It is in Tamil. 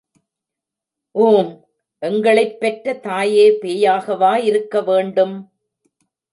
ஊம்...... எங்களைப் பெற்ற தாயே பேயாகவா இருக்கவேண்டும்!